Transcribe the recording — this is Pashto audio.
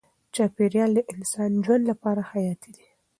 چاپیریال د انسان ژوند لپاره حیاتي دی.